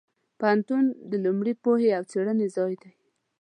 پوهنتون د لوړې پوهې او څېړنې ځای دی.